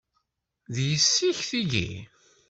D yessi-k tigi?